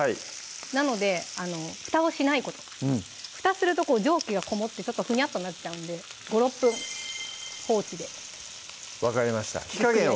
なのでふたをしないことふたするとこう蒸気がこもってちょっとふにゃっとなっちゃうんで５６分放置で分かりました火加減は？